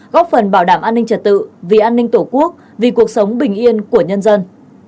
góp phần bảo đảm an ninh trật tự vì an ninh tổ quốc vì cuộc sống bình yên của nhân dân